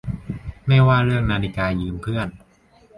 ไม่ว่าเรื่องนาฬิกายืมเพื่อน